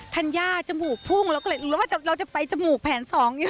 ธัญญาจมูกภูมิเราก็เลยหรือว่าเราจะไปจมูกแผนสองอยู่